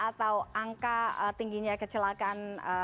dari data atau angka tingginya kecelakaan